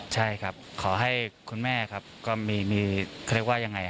ใช่ครับขอให้คุณแม่ครับก็มีเขาเรียกว่ายังไง